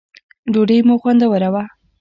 ډوډی مو خوندوره وه